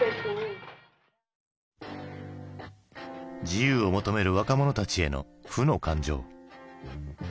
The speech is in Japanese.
自由を求める若者たちへの負の感情。